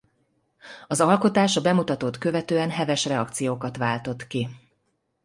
Az alkotás a bemutatót követően heves reakciókat váltott ki.